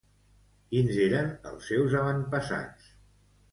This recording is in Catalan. Quins eren els seus avantpassats?